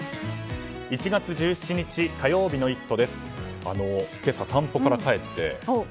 １月１７日火曜日の「イット！」